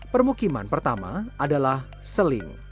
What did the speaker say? permukiman pertama adalah seling